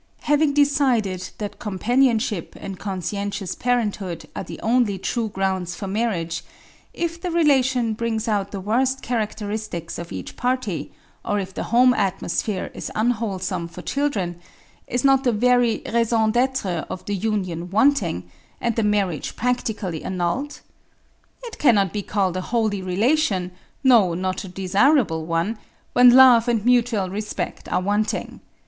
Having decided that companionship and conscientious parenthood are the only true grounds for marriage, if the relation brings out the worst characteristics of each party, or if the home atmosphere is unwholesome for children, is not the very raison d'être of the union wanting, and the marriage practically annulled? It cannot be called a holy relation, no, not a desirable one, when love and mutual respect are wanting.